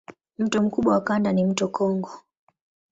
Mto mkubwa wa kanda ni mto Kongo.